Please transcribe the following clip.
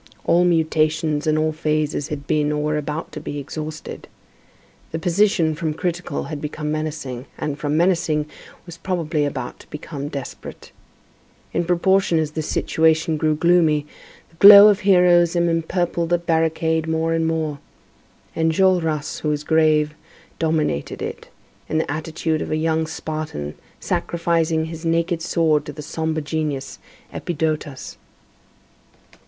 All mutations and all phases had been, or were about to be, exhausted. The position, from critical, had become menacing, and, from menacing, was probably about to become desperate. In proportion as the situation grew gloomy, the glow of heroism empurpled the barricade more and more. Enjolras, who was grave, dominated it, in the attitude of a young Spartan sacrificing his naked sword to the sombre genius, Epidotas.